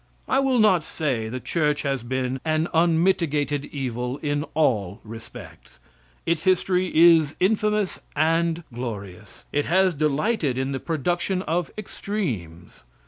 I will not say the church has been an unmitigated evil in all respects. Its history is infamous and glorious. It has delighted in the production of extremes.